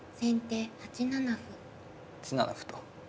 ８七歩と。